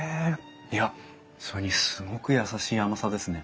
いやそれにすごく優しい甘さですね。